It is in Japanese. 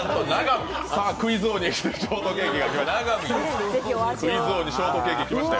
クイズ王にショートケーキが来ましたよ。